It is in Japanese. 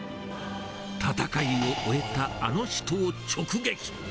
戦いを終えたあの人を直撃。